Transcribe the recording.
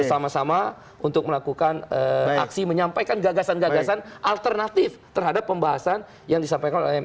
bersama sama untuk melakukan aksi menyampaikan gagasan gagasan alternatif terhadap pembahasan yang disampaikan oleh mk